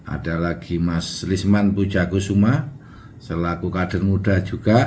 ada lagi mas lisman pujakusuma selaku kader muda juga